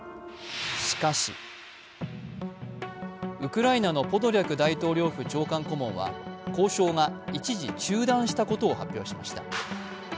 しかし、ウクライナのポドリャク大統領府長官顧問は交渉が一時中断したことを発表しました。